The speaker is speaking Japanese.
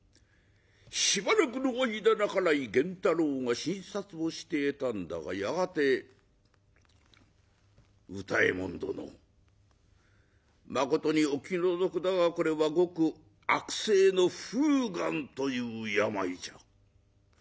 しばらくの間半井源太郎が診察をしていたんだがやがて「歌右衛門殿まことにお気の毒だがこれはごく悪性の風眼という病じゃ。